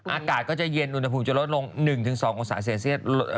อากาศก็จะเย็นอุณหภูมิจะลดลง๑๒องศาเซลเซียต